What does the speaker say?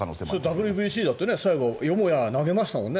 ＷＢＣだって最後よもや投げましたもんね